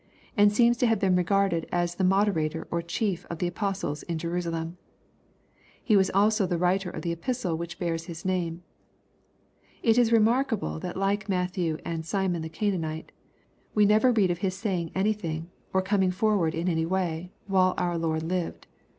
and seems to have been regarded as the moderator or chief of the apostles in Jerusalem. He was also the writer of the Epistle wliich bears his name. It is remarkable that like Matthew and Simon the Canaanite, we never read of his saying anything, or coming forward in any way, while our Lord lived.